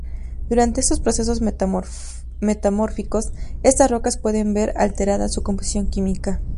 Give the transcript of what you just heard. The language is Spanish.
Durante estos procesos metamórficos, estas rocas pueden ver alterada su composición química.